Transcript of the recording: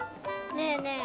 ねえねえ